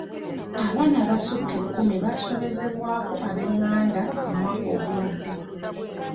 Abaaana abasukka ekkumi baasobezebwako ab'enganda omwaka oguwedde.